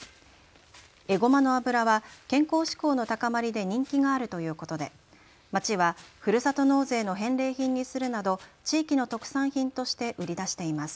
エゴマの油は健康志向の高まりで人気があるということで町はふるさと納税の返礼品にするなど地域の特産品として売り出しています。